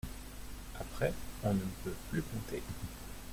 Après, on ne peut plus compter.